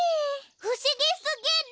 ふしぎすぎる！